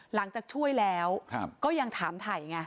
หลังจากช่วยแล้วก็ยังถามถ่ายไง